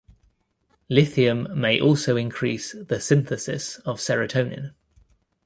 Lithium may also increase the synthesis of serotonin.